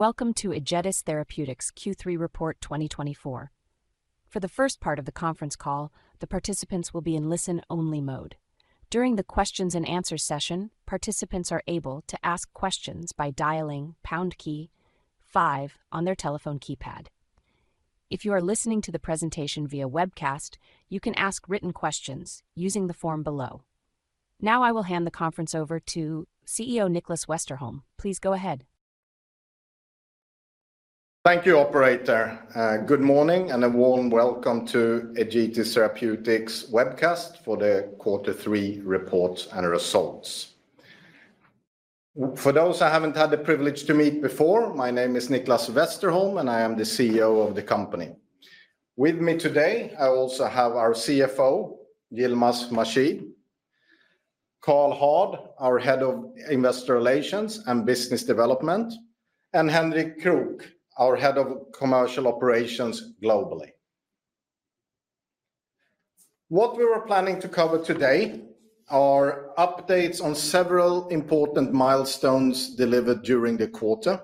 Welcome to Egetis Therapeutics Q3 Report 2024. For the first part of the conference call, the participants will be in listen only mode. During the questions and answers session, participants are able to ask questions by dialing star five on their telephone keypad. If you are listening to the presentation via webcast, you can ask written questions using the form below. Now I will hand the conference over to CEO Nicklas Westerholm. Please go ahead. Thank you, operator. Good morning and a warm welcome to Egetis Therapeutics webcast for the Quarter three report and results. For those I haven't had the privilege to meet before, my name is Nicklas Westerholm and I am the CEO of the company. With me today I also have our CFO Yilmaz Mahshid, Karl Hård, our head of Investor Relations and Business Development and Henrik Krook, our head of Commercial Operations globally. What we were planning to cover today are updates on several important milestones delivered during the quarter.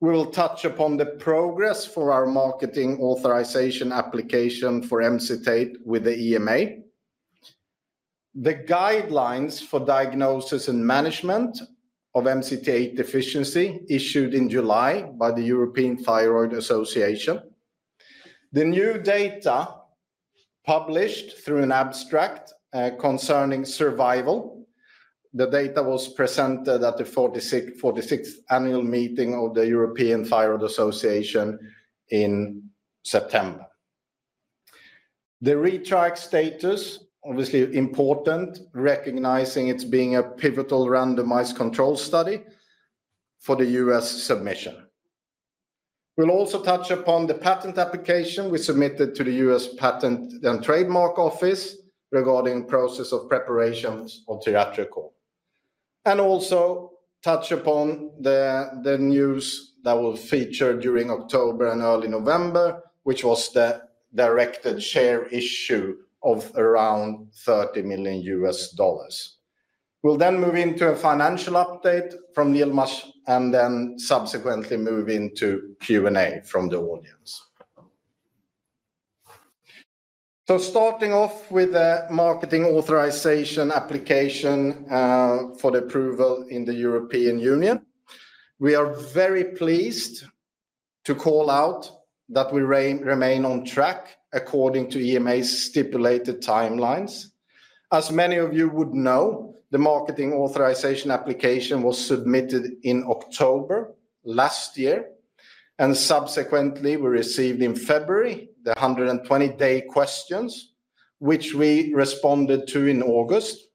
We will touch upon the progress for our Marketing authorization application for Emcitate with the EMA, the Guidelines for Diagnosis and Management of Emcitate Deficiency issued in July by the European Thyroid Association. The new data published through an abstract concerning survival. The data was presented at the 46th Annual Meeting of the European Thyroid Association in September. The ReTriACt status is obviously important, recognizing it's a pivotal randomized control study for the U.S. submission. We'll also touch upon the patent application we submitted to the U.S. Patent and Trademark Office regarding the preparation process for Tiratricol and also touch upon the news that will feature during October and early November, which was the directed share issue of around $30 million. We'll then move into a financial update from Yilmaz and then subsequently move into Q&A from the audience. Starting off with the Marketing Authorization Application for the approval in the European Union, we are very pleased to call out that we remain on track according to EMA's stipulated timelines. As many of you would know, the Marketing Authorization Application was submitted in October last year and subsequently we received in February the 120-Day Questions, which we responded to in August.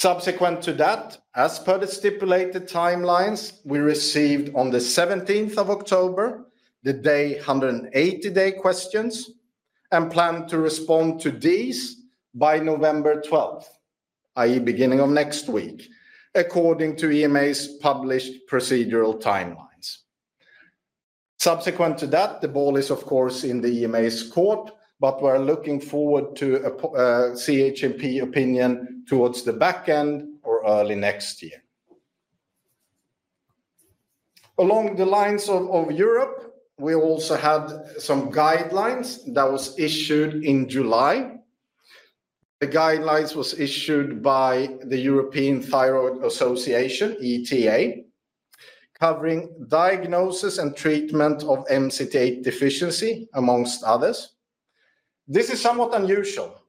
Subsequent to that, as per the stipulated timelines, we received on the 17th of October the 180-Day Questions and plan to respond to these by November 12th, that is, beginning of next week, according to EMA's published procedural timelines. Subsequent to that, the ball is of course in the EMA's court. But we're looking forward to CHMP opinion towards the back end or early next year along the lines of Europe. We also had some guidelines that was issued in July. The guidelines was issued by the European Thyroid Association ETA covering diagnosis and treatment of Emcitate deficiency among others. This is somewhat unusual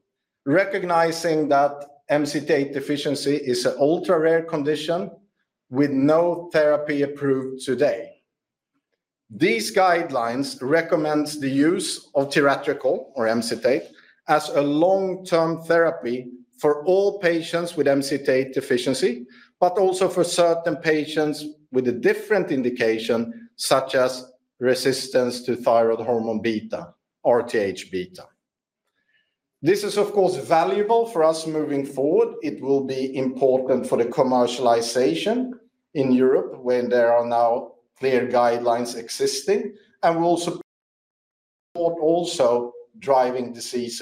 recognizing that Emcitate deficiency is an ultra-rare condition with no therapy approved today. These guidelines recommend the use of tiratricol or Emcitate as a long-term therapy for all patients with Emcitate deficiency but also for certain patients with a different indication such as resistance to thyroid hormone beta RTH beta. This is of course valuable for us moving forward. It will be important for the commercialization in Europe when there are now clear guidelines existing and we'll support also driving disease.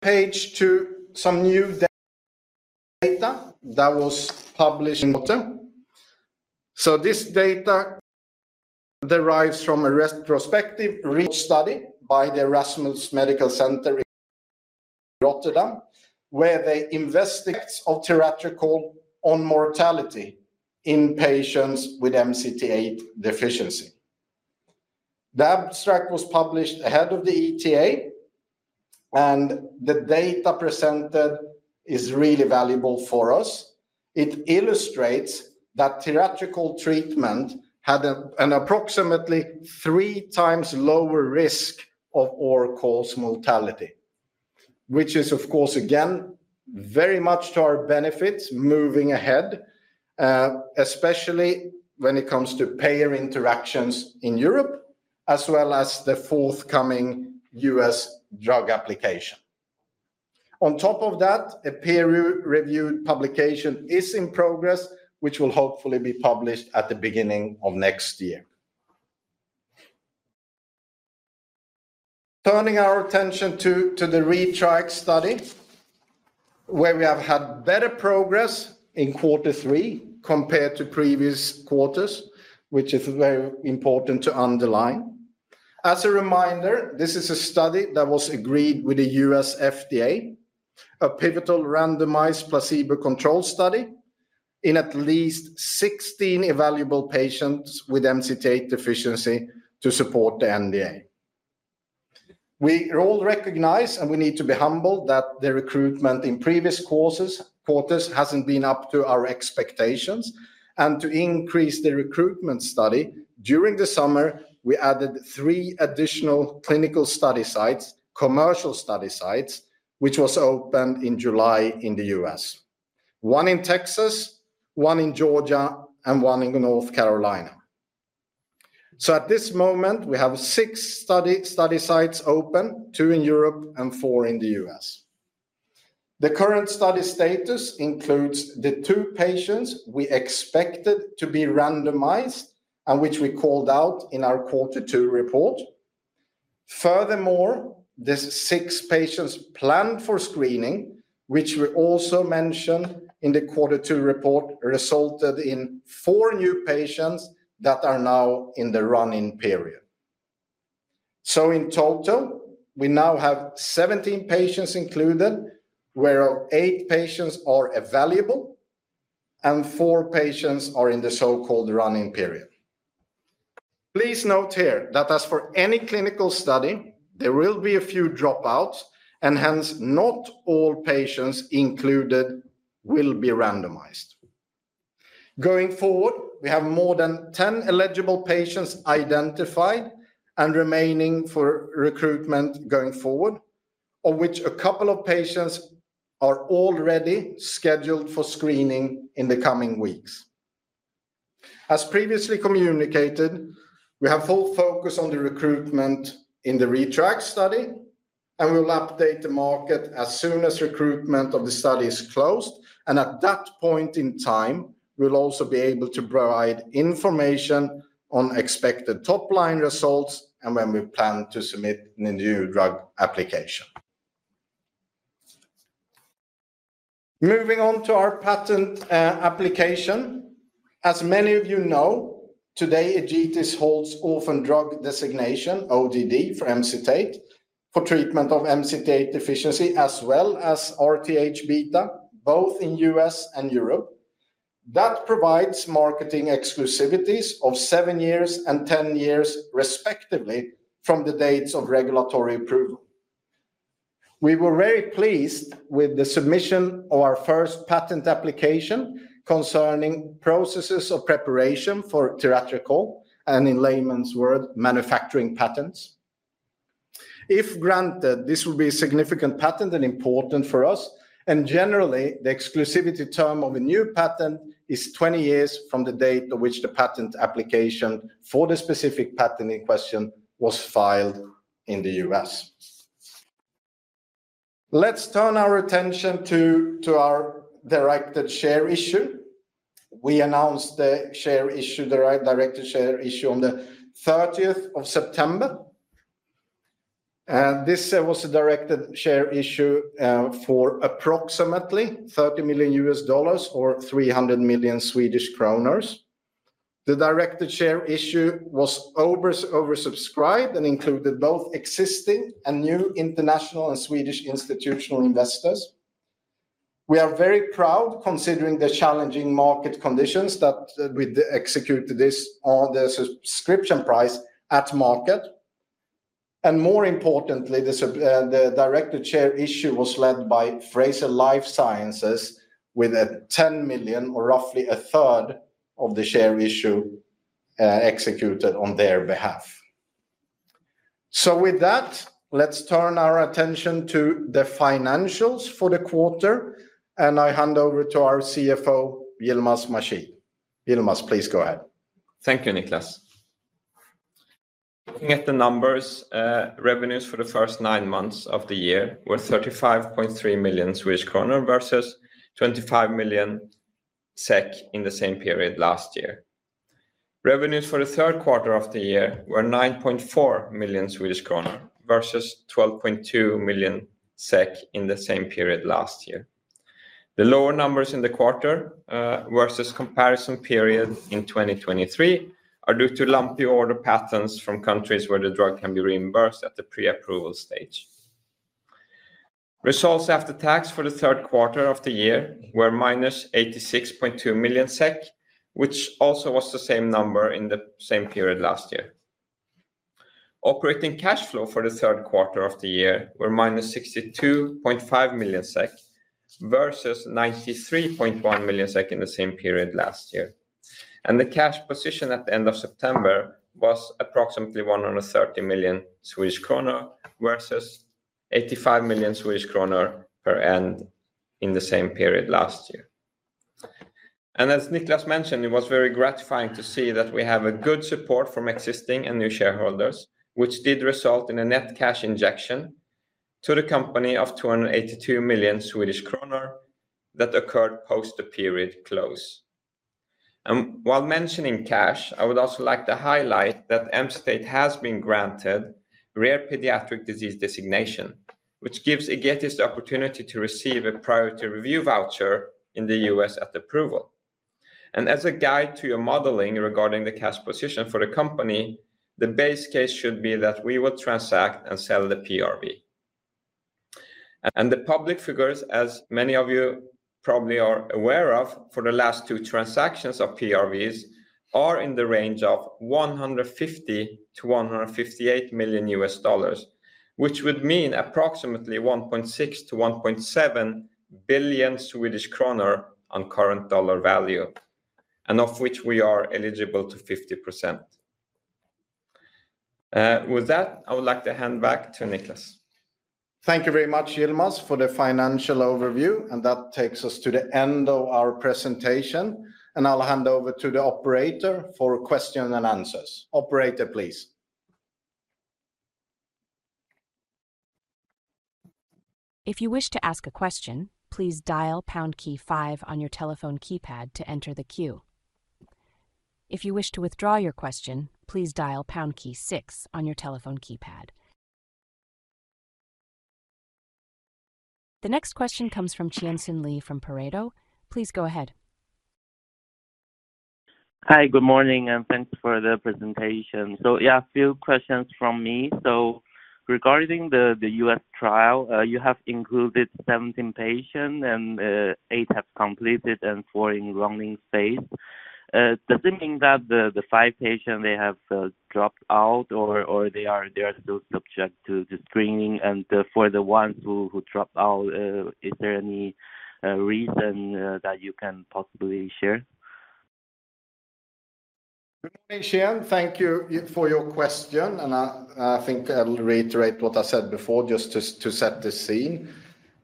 Page two. Some news that was published in Rotterdam so this data derives from a retrospective research study by the Erasmus Medical Center in Rotterdam where they investigate tiratricol on mortality in patients with Emcitate deficiency. The abstract was published ahead of the ETA and the data presented is really valuable for us. It illustrates that tiratricol treatment had an approximately three times lower risk of all-cause mortality, which is of course again very much to our benefits moving ahead, especially when it comes to payer interactions in Europe as well as the forthcoming U.S. drug application. On top of that, a peer-reviewed publication is in progress, which will hopefully be published at the beginning of next year. Turning our attention to the ReTriACt study, where we have had better progress in quarter three compared to previous quarters, which is very important to underline. As a reminder, this is a study that was agreed with the U.S. FDA: a pivotal randomized placebo-controlled study in at least 16 evaluable patients with Emcitate deficiency to support the NDA. We all recognize and we need to be humbled that the recruitment in previous quarters hasn't been up to our expectations and to increase the recruitment study during the summer we added three additional clinical study sites, commercial study sites which was opened in July in the U.S., one in Texas, one in Georgia, and one in North Carolina. So at this moment we have six study sites open, two in Europe and four in the U.S. The current study status includes the two patients we expected to be randomized and which we called out in our quarter two report. Furthermore, these six patients planned for screening which we also mentioned in the quarter two report resulted in four new patients that are now in the run-in period. So in total we now have 17 patients included where eight patients are available and four patients are in the so-called run-in period. Please note here that as for any clinical study there will be a few dropouts and hence not all patients included will be randomized. Going forward we have more than 10 eligible patients identified and remaining for recruitment going forward, of which a couple of patients are already scheduled for screening in the coming weeks. As previously communicated, we have full focus on the recruitment in the ReTriACt study and we will update the market as soon as recruitment of the study is closed and at that point in time we'll also be able to provide information on expected top line results and when we plan to submit the new drug application. Moving on to our patent application, as many of you know, today Egetis holds orphan drug designation ODD for Emcitate for treatment of Emcitate deficiency as well as RTH beta both in U.S. and Europe that provides marketing exclusivities of seven years and 10 years respectively. From the dates of regulatory approval, we were very pleased with the submission of our first patent application concerning processes of preparation for tiratricol and in layman's word, manufacturing patents. If granted, this will be a significant patent and important for us, and generally the exclusivity term of a new patent is 20 years from the date to which the patent application for the specific patent in question was filed in the U.S.. Let's turn our attention to our directed share issue. We announced the share issue, the directed share issue on 30th September. This was a directed share issue for approximately $30 million or 300 million Swedish kronor. The directed share issue was oversubscribed and included both existing and new international and Swedish institutional investors. We are very proud considering the challenging market conditions that we executed this on. The subscription price at market and more importantly the directed share issue was led by Frazier Life Sciences with $10 million or roughly a third of the share issue executed on their behalf. So with that, let's turn our attention to the financials for the quarter and I hand over to our CFO Yilmaz Mahshid. Please go ahead. Thank you, Nicklas. Looking at the numbers, revenues for the first nine months of the year were 35.3 million kronor versus 25 million SEK in the same period last year. Revenues for the third quarter of the year were 9.4 million Swedish kronor versus 12.2 million SEK in the same period last year. The lower numbers in the quarter versus comparison period in 2023 are due to lumpy order patterns from countries where the drug can be reimbursed at the pre-approval stage. Results after tax for the third quarter of the year were -86.2 million SEK, which also was the same number in the same period last year. Operating cash flow for the third quarter of the year were -62.5 million SEK vs 93.1 million SEK. Second, the same period last year, and the cash position at the end of September was approximately 130 million Swedish kronor versus 85 million Swedish kronor at end in the same period last year. As Nicklas mentioned, it was very gratifying to see that we have good support from existing and new shareholders, which did result in a net cash injection to the company of 282 million Swedish kronor that occurred post the period close. While mentioning cash, I would also like to highlight that Emcitate has been granted Rare Pediatric Disease Designation, which gives Egetis the opportunity to receive a Priority Review Voucher in the U.S. at approval, and as a guide to your modeling regarding the cash position for the company, the base case should be that we will transact and sell the PRV. The public figures, as many of you probably are aware, for the last two transactions of PRVs are in the range of $150-$158 million, which would mean approximately 1.6 billion-1.7 billion Swedish kronor on current dollar value and of which we are eligible to 50%. With that I would like to hand back to Nicklas. Thank you very much, Yilmaz, for the financial overview and that takes us to the end of our presentation and I'll hand over to the operator for questions and answers. Operator, please. If you wish to ask a question, please dial star five on your telephone keypad to enter the queue. If you wish to withdraw your question, please dial star six on your telephone keypad. The next question comes from Chien-Hsun Lee from Pareto. Please go ahead. Hi, good morning, and thanks for the presentation. So yeah, a few questions from me. So regarding the U.S. trial, you have included 17 patients and eight have completed and four enrolling phase. Does it mean that the five patients they have dropped out or they are still subject to the screening? And for the ones who dropped out, is there any reason that you can possibly share? Good morning Chien-Hsun, thank you for your question and I think I'll reiterate what I said before just to set the scene.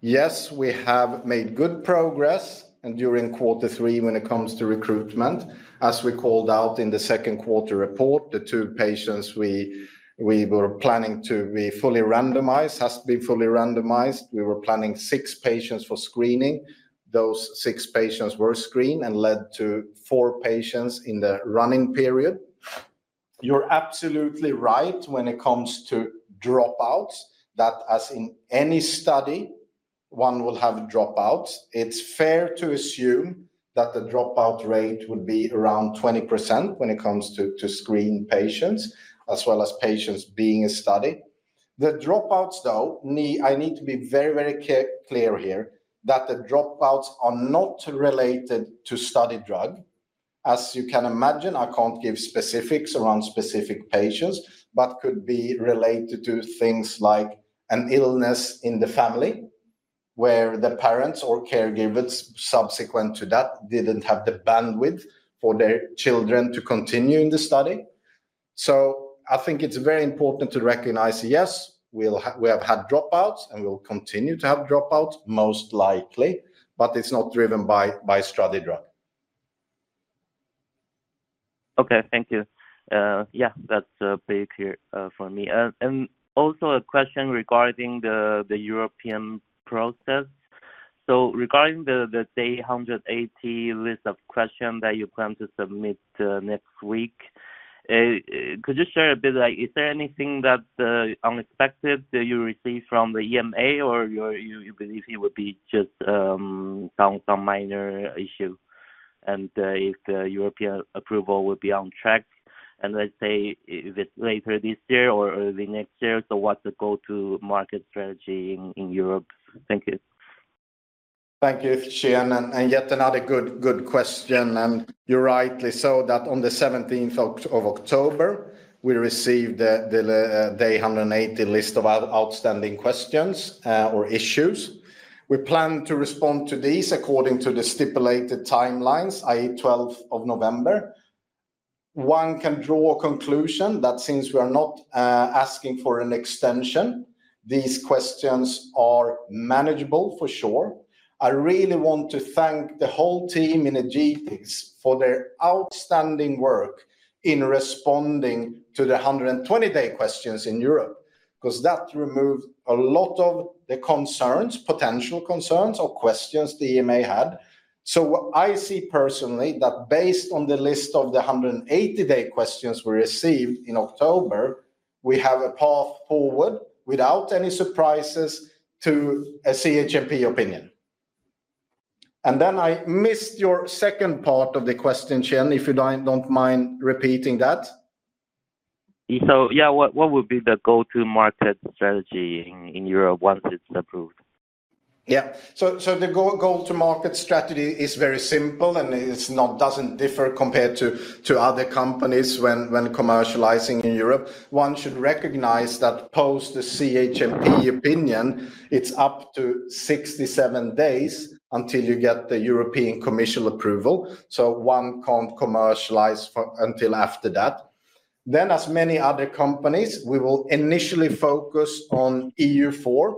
Yes, we have made good progress and during quarter three when it comes to recruitment, as we called out in the second quarter report, the two patients we were planning to be fully randomized has been fully randomized. We were planning six patients for screening. Those six patients were screened and led to four patients in the run-in period. You're absolutely right when it comes to dropouts that as in any study, one will have dropouts, it's fair to assume that the dropout rate would be around 20%. When it comes to screen patients as well as patients being a study, the dropouts though I need to be very, very clear here that the dropouts are not related to study drug. As you can imagine, I can't give specifics around specific patients, but could be related to things like an illness in the family where the parents or caregivers subsequent to that didn't have the bandwidth for their children to continue in the study. So I think it's very important to recognize yes, we have had dropouts and we'll continue to have dropouts most likely, but it's not driven by study drug. Okay, thank you. Yeah, that's big here for me and also a question regarding the European process. So regarding the 180-day list of questions that you plan to submit next week, could you share a bit like is there anything that's unexpected that you received from the EMA or you believe it would be just some minor issue and if the European approval would be on track and let's say if it's later this year or early next year. So what's the go-to-market strategy in Europe? Thank you. Thank you, Chien-Hsun. And yet another good question and you rightly so that on the 17th of October we received the day 180 list of outstanding questions or issues. We plan to respond to these according to the stipulated timelines, i.e. 12th of November one can draw a conclusion that since we are not asking for an extension, these questions are manageable for sure. I really want to thank the whole team in Egetis for their outstanding work in responding to the 120 day questions in Europe because that removed a lot of the concerns, potential concerns or questions the EMA had. So I see personally that based on the list of the 180 day questions we received in October, we have a path forward without any surprises to a CHMP opinion. And then I missed your second part of the question, Chien-Hsun, if you don't mind repeating that. So yeah, what would be the go to market strategy in Europe once it's approved? Yeah, so the go-to-market strategy is very simple and it doesn't differ compared to other companies. When commercializing in Europe one should recognize that post the CHMP opinion, it's up to 67 days until you get the European Commission approval. So one can't commercialize until after that. Then as many other companies we will initially focus on EU4,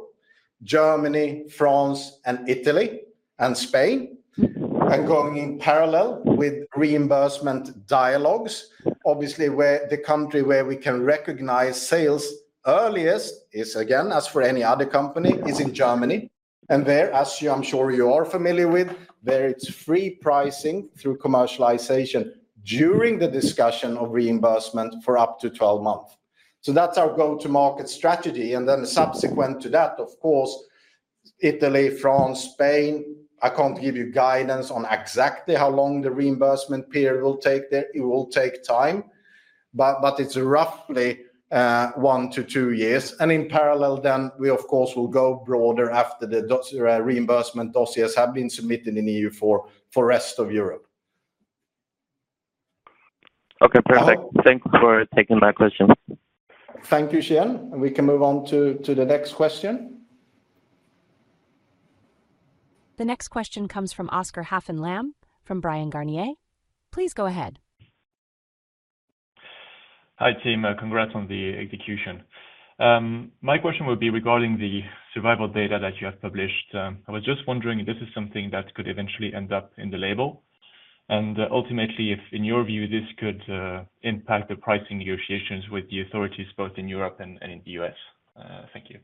Germany, France, Italy, and Spain and going in parallel with reimbursement dialogues, obviously where the country where we can recognize sales earliest is again as for any other company, is in Germany. And there, as I'm sure you are familiar with there, it's free pricing through commercialization during the discussion of reimbursement for up to 12 months. So that's our go-to-market strategy. And then subsequent to that, of course, Italy, France, Spain. I can't give you guidance on exactly how long the reimbursement period will take there. It will take time, but it's roughly one to two years and in parallel then we of course will go broader after the reimbursement dossiers have been submitted in EU for rest of Europe. Okay, perfect. Thanks for taking my question. Thank you, Chien-Hsun. We can move on to the next question. The next question comes from Oscar Haffner Lamm from Bryan, Garnier & Co, please go ahead. Hi, Tim. Congrats on the execution. My question would be regarding the survival data that you have published. I was just wondering if this is something that could eventually end up in the label and ultimately if in your view, this could impact the pricing negotiations with the authorities both in Europe and in the U.S.? Thank you.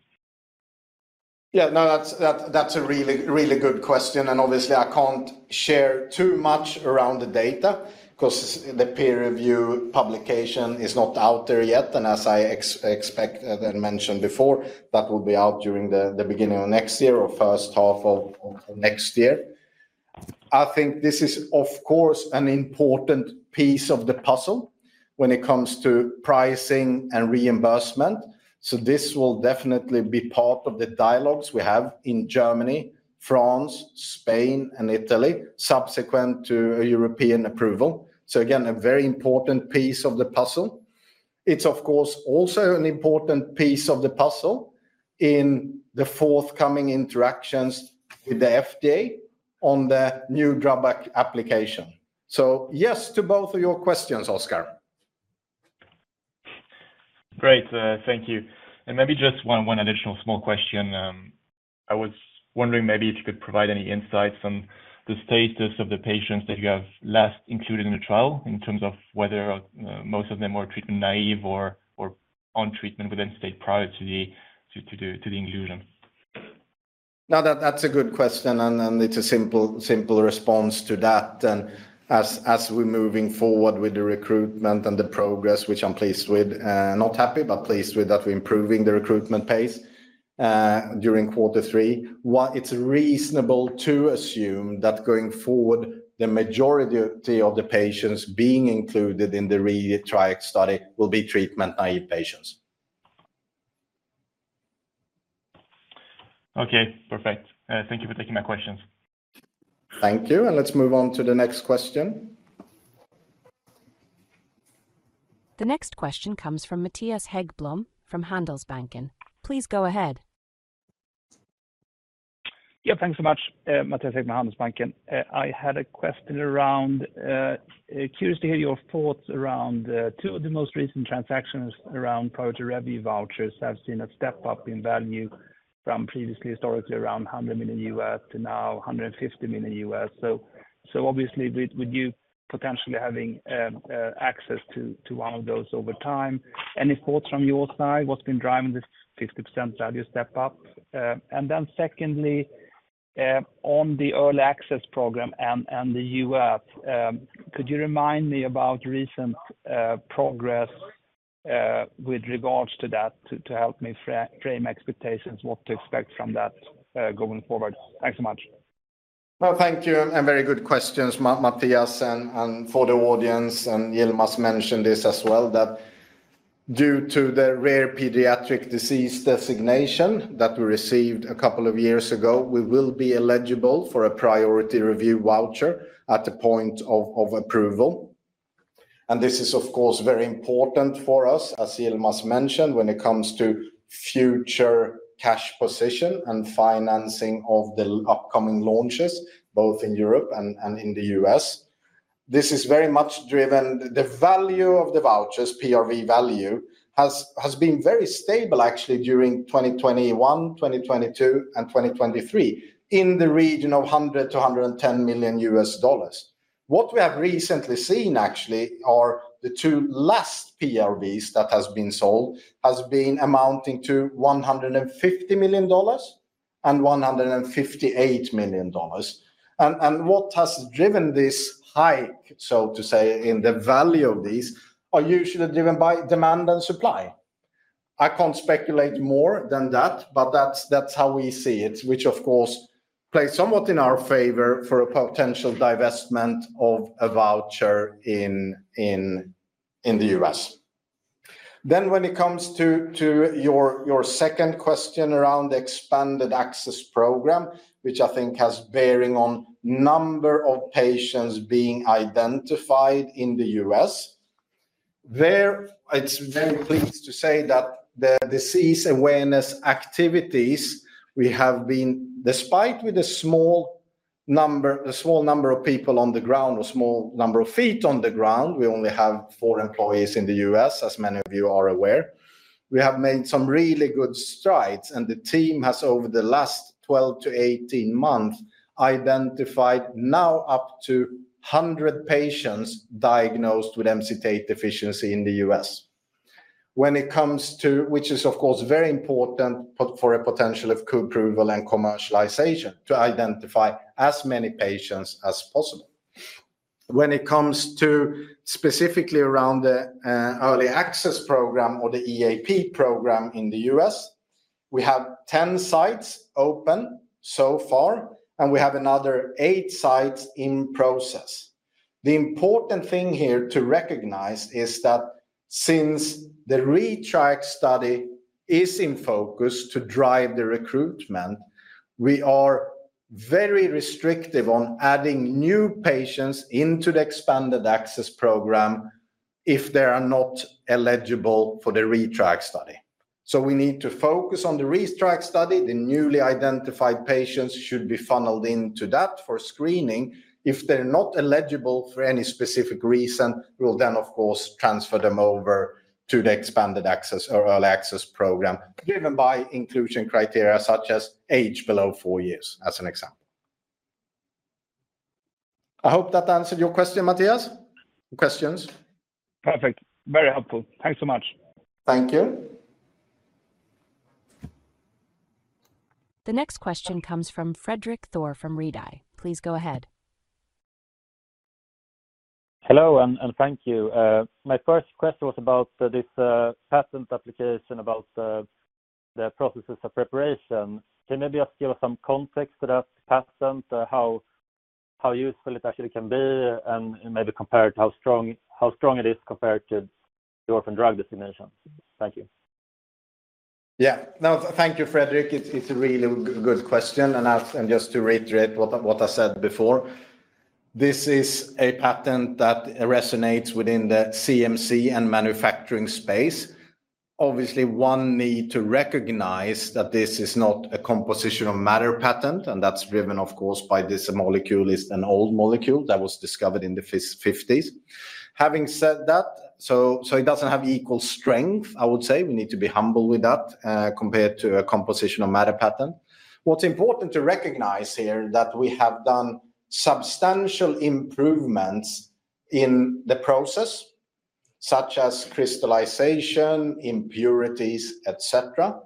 Yeah, no, that's a really, really good question. And obviously I can't share too much around the data because the peer review publication is not out there yet. And as I expected and mentioned before, that will be out during the beginning of next year or first half of next year. I think this is of course an important piece of the puzzle when it comes to pricing and reimbursement. So this will definitely be part of the dialogues we have in Germany, France, Spain and Italy subsequent to European approval. So again, a very important piece of the puzzle. It's of course also an important piece of the puzzle in the forthcoming interactions with the FDA on the new NDA application. So, yes to both of your questions, Oscar. Great, thank you. And maybe just one additional small question. I was wondering maybe if you could provide any insights on the status of the patients that you have last included in the trial in terms of whether most of them were treatment naive or on treatment with Emcitate prior to the inclusion. Now that's a good question and it's a simple response to that. And as we're moving forward with the recruitment and the progress, which I'm pleased with, not happy, but pleased with, that we're improving the recruitment pace during quarter three, it's reasonable to assume that going forward the majority of the patients being included in the ReTriACt study will be treatment naive patients. Okay, perfect. Thank you for taking my questions. Thank you. Let's move on to the next question. The next question comes from Mattias Häggblom from Handelsbanken. Please go ahead. Yeah, thanks so much. Mattias Häggblom, Handelsbanken. I had a question around. Curious to hear your thoughts around two of the most recent transactions around Priority Review Vouchers. I've seen a step in value from previously historically around $100 million to now $150 million. So obviously with you potentially having access to one of those over time, any thoughts from your side? What's been driving this 50% value step up? And then secondly on the Expanded Access Program and the U.S. could you remind me about recent progress with regards to that to help me frame expectations what to expect from that going forward. Thanks so much. Thank you and very good questions, Mattias. For the audience and Yilmaz must mention this as well that due to the Rare Pediatric Disease Designation that we received a couple of years ago, we will be eligible for a Priority Review Voucher at the point of approval. And this is of course very important for us. As mentioned, when it comes to future cash position and financing of the upcoming launches both in Europe and in the U.S. this is very much driven. The value of the vouchers PRV value has been very stable actually during 2021, 2022 and 2023 in the region of $100-110 million. What we have recently seen actually are the two last PRVs that has been sold has been amounting to $150 million and $158 million. And what has driven this hike, so to say, in the value of these? Are usually driven by demand and supply. I can't speculate more than that, but that's how we see it, which of course play somewhat in our favor for a potential divestment of a voucher in the U.S.. Then when it comes to your second question around the expanded access program which I think has bearing on number of patients being identified in the U.S.. There it's very pleased to say that the disease awareness activities we have been despite with the small number of people on the ground or small number of feet on the ground, we only have four employees in the U.S. as many of you are aware, we have made some really good strides and the team has over the last 12-18 months identified now up to 100 patients diagnosed with Emcitate deficiency in the U.S. when it comes to which is of course very important for a potential of co approval and commercialization to identify as many patients as possible when it comes to specifically around the early access program or the EAP program in the U.S. we have 10 sites open so far and we have another eight sites in process. The important thing here to recognize is that since the ReTriACt study is in focus to drive the recruitment, we are very restrictive on adding new patients into the expanded access program if they are not eligible for the ReTriACt study. So we need to focus on the ReTriACt study. The newly identified patients should be funneled into that for screening. If they're not eligible for any specific reason, will then of course transfer them over to the expanded access or early access program driven by inclusion criteria such as age below 4 years as an example. I hope that answered your question, Mattias. Questions. Perfect. Very helpful. Thanks so much. Thank you. The next question comes from Fredrik Thor from Redeye. Please go ahead. Hello and thank you. My first question was about this patent application, about the processes of preparation. Can maybe just give us some context to that patent, how useful it actually can be and maybe compared how strong it is compared to the Orphan Drug Designation. Thank you. Yeah, no, thank you Fredrik. It's a really good question and as and just to reiterate what I said before, this is a patent that resonates within the CMC and manufacturing space. Obviously one need to recognize that this is not a composition of matter patent. And that's driven of course by this molecule is an old molecule that was discovered in the 50s. Having said that, so it doesn't have equal strength. I would say we need to be humble with that compared to a composition of matter patent. What's important to recognize here that we have done substantial improvements in the process such as crystallization, impurities, etc.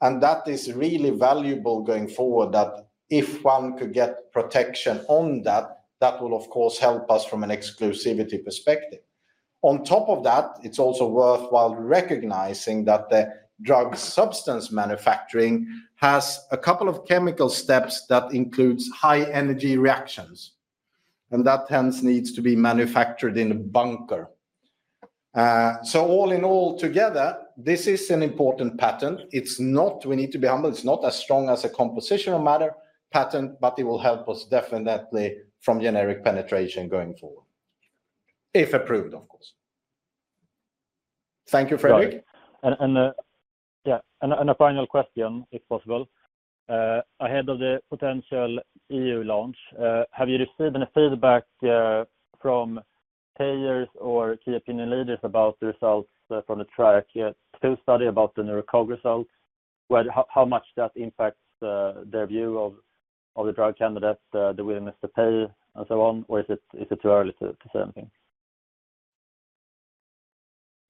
And that is really valuable going forward that if one could get protection on that, that will of course help us from an exclusivity perspective. On top of that, it's also worthwhile recognizing that the drug substance manufacturing has a couple of chemical steps that includes high energy reactions and that hence needs to be manufactured in a bunker. So all in all together this is an important patent. It's not we need to be humble. It's not as strong as a composition of matter patent, but it will help us definitely from generic penetration going forward if approved, of course. Thank you Fredrik. A final question, if possible ahead of the potential EU launch, have you received any feedback from payers or key opinion leaders about the results from the Triac Trial study about the neurocognitive results, how much that impacts their view of the drug candidate, the willingness to pay and so on? Or is it too early to say anything?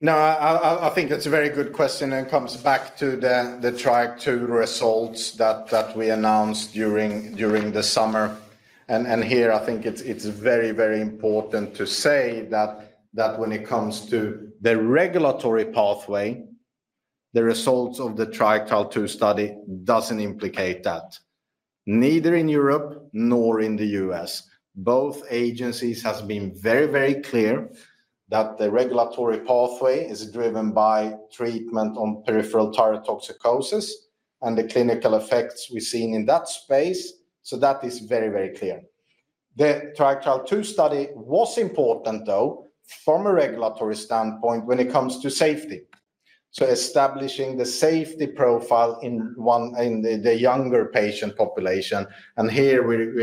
No, I think that's a very good question and comes back to the ReTriACt results that we announced during the summer and here I think it's very, very important to say that when it comes to the regulatory pathway, the results of the Triac Trial II study doesn't implicate that neither in Europe nor in the U.S. both agencies has been very, very clear that the regulatory pathway is driven by treatment on peripheral thyrotoxicosis and the clinical effects we've seen in that space. So that is very, very clear. The Triac Trial II study was important though, from a regulatory standpoint when it comes to safety. So establishing the safety profile in the younger patient population and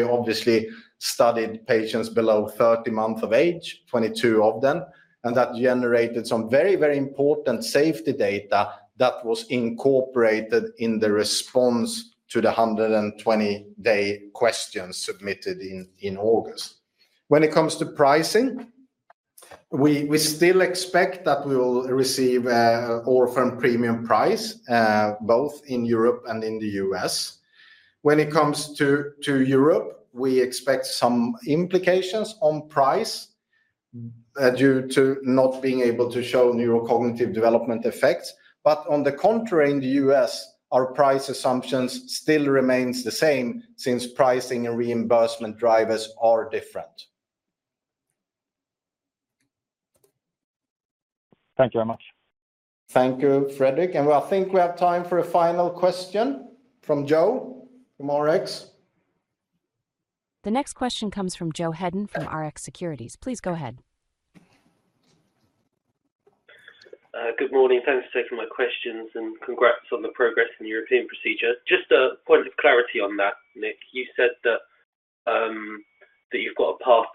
obviously studied patients below 30 months of age, 22 of them. And that generated some very, very important safety data that was incorporated in the response to the 120-Day Questions submitted in August. When it comes to pricing, we still expect that we will receive orphan premium price both in Europe and in the U.S. When it comes to Europe, we expect some implications on price due to not being able to show neurocognitive development effects. But on the contrary, in the U.S. our price assumptions still remains the same since pricing and reimbursement drivers are different. Thank you very much. Thank you, Fredrik. And I think we have time for a final question from Joe from RX. The next question comes from Joe Hedden from RX Securities. Please go ahead. Good morning. Thanks for taking my questions and congrats on the progress in European procedure. Just a point of clarity on that, Nick, you said that you've got a path,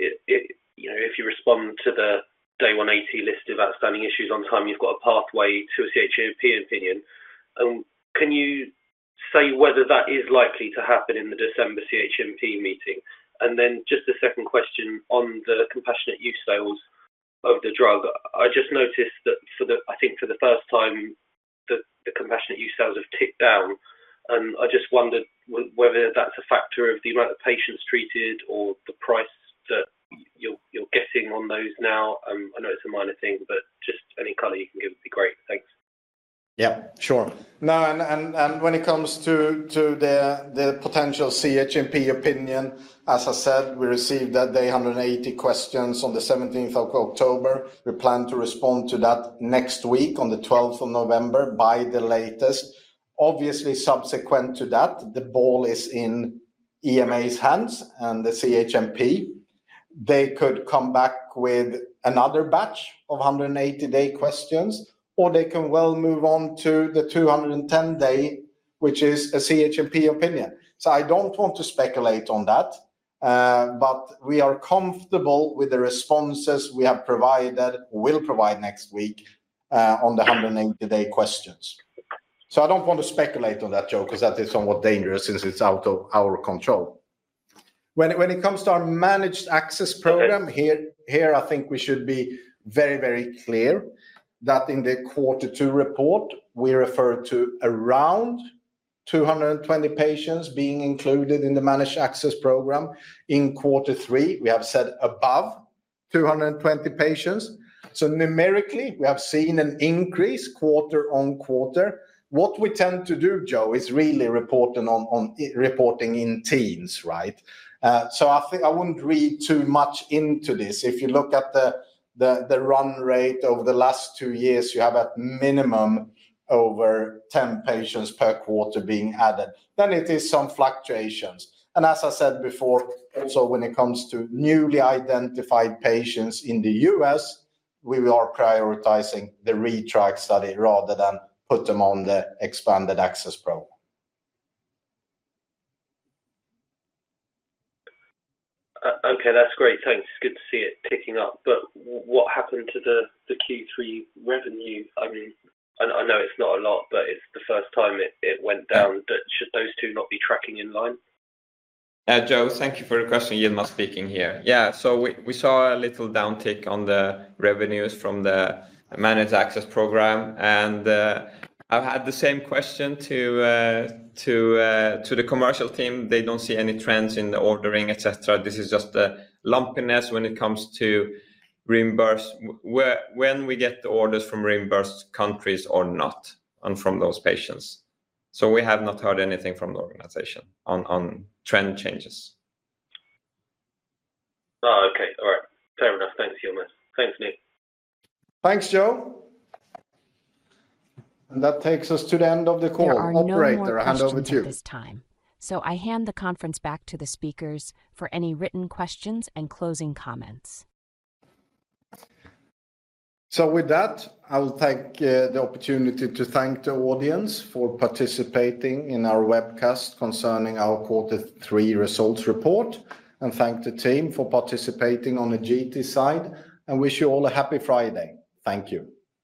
you know, if you respond to the 180-Day list of outstanding issues on time, you've got a pathway to a CHMP opinion. Can you say whether that is likely to happen in the December CHMP meeting? And then just a second question on the compassionate use sales of the drug. I just noticed that I think for the first time the compassionate use sales have ticked down and I just wondered whether that's a factor of the amount of patients treated or the price that you're getting on those. Now, I know it's a minor thing, but just any color you can give would be great. Thanks. Yeah, sure. And when it comes to the potential CHMP opinion, as I said, we received the 180-day questions on the 17th of October. We plan to respond to that next week on the 12th of November by the latest. Obviously subsequent to that the ball is in EMA's hands and the CHMP. They could come back with another batch of 180-day questions or they can well move on to the 210-day, which is a CHMP opinion. So I don't want to speculate on that, though, because that is somewhat dangerous since it's out of our control when it comes to our Managed Access Program here. I think we should be very, very clear that in the quarter two report we refer to around 220 patients being included in the Managed Access Program. In quarter three we have said above 220 patients. So numerically we have seen an increase quarter on quarter. What we tend to do, Joe, is really reporting in teens, right? So I wouldn't read too much into this. If you look at the run rate over the last two years, you have at minimum over 10 patients per quarter being added. Then it is some fluctuations and as I said before, so when it comes to newly identified patients in the U.S. we are prioritizing the ReTriACt study rather than put them on the expanded access program. Okay, that's great, thanks. It's good to see it picking up. But what happened to the Q3 revenue? I know it's not a lot, but it's the first time it went down. But should those two not be tracking in line? Joe, thank you for the question. Yilmaz speaking here. Yeah, so we saw a little downtick on the revenues from the Managed Access Program and I had the same question to the commercial team. They don't see any trends in the ordering, etc. This is just the lumpiness when it comes to reimbursement, when we get the orders from reimbursed countries or not and from those patients. So we have not heard anything from the organization on trend changes. Okay. All right, fair enough. Thanks, Yilmaz. Thanks, Nick. Thanks, Joe. And that takes us to the end of the call at this time. So I hand the conference back to the speakers for any written questions and closing comments. With that, I will take the opportunity to thank the audience for participating in our webcast concerning our quarter three results report and thank the team for participating on the side and wish you all a happy Friday. Thank you.